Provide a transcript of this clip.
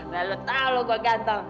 nah lu tahu lu gue ganteng